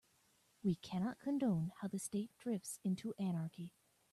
We cannot condone how the state drifts into anarchy.